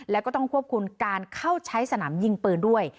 แล้วก็ต้องควบคุมการเข้าใช้สนามยิงปืนด้วย